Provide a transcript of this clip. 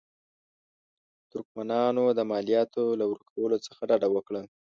ترکمنانو د مالیاتو له ورکولو څخه ډډه وکړه.